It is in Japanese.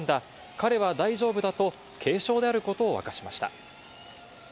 彼は大丈夫だと、軽症であることを明かしました。